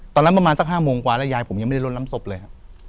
ประมาณสัก๕โมงกว่าแล้วยายผมยังไม่ได้ลดน้ำศพเลยครับ